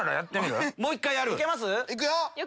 いくよ！